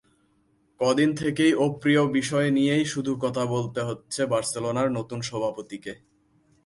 কদিন থেকেই অপ্রিয় বিষয় নিয়েই শুধু কথা বলতে হচ্ছে বার্সেলোনার নতুন সভাপতিকে।